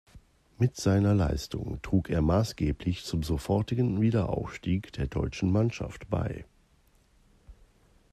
Mit seiner Leistung trug er maßgeblich zum sofortigen Wiederaufstieg der deutschen Mannschaft bei.